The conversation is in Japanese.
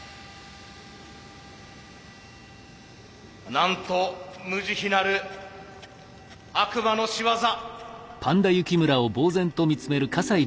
なんと無慈悲なる悪魔のしわざ。